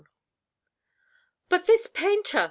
"But this painter!"